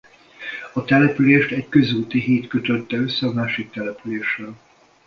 A települést egy közúti híd kötötte össze a másik településsel.